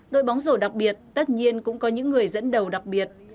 đội bóng rổ đặc biệt tất nhiên cũng có những người dẫn đầu đặc biệt